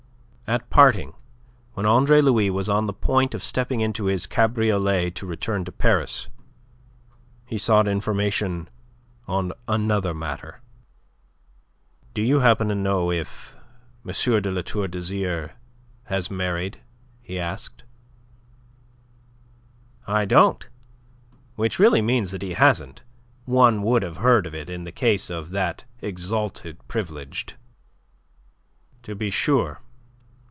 At parting, when Andre Louis was on the point of stepping into his cabriolet to return to Paris, he sought information on another matter. "Do you happen to know if M. de La Tour d'Azyr has married?" he asked. "I don't; which really means that he hasn't. One would have heard of it in the case of that exalted Privileged." "To be sure."